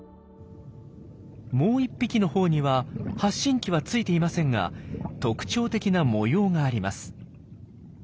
もう１匹のほうには発信器はついていませんが特徴的な模様があります。